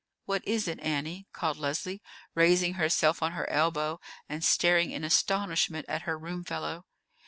"What is it, Annie?" called Leslie, raising herself on her elbow, and staring in astonishment at her room fellow.